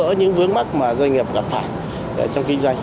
đó là những vướng mắt mà doanh nghiệp gặp phải trong kinh doanh